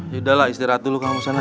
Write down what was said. yaudah lah istirahat dulu kamu sana